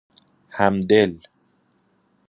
همدل